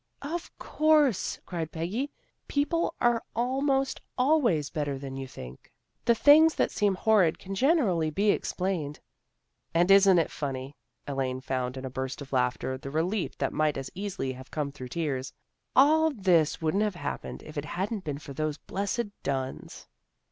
" Of course," cried Peggy. " People are almost always better than you think. The 346 THE GIRLS OF FRIENDLY TERRACE things that seem horrid can generally be explained." " And isn't it funny! " Elaine found in a burst of laughter the relief that might as easily have come through tears. " All this wouldn't have happened, if it hadn't been for those blessed Dunns."